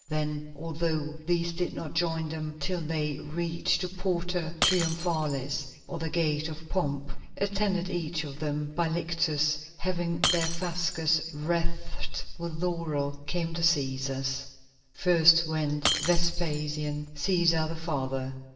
Then, although these did not join them till they reached the Porta Triumphalis, or the Gate of Pomp, attended, each of them, by lictors having their fasces wreathed with laurel, came the Cæsars. First went Vespasian Cæsar, the father.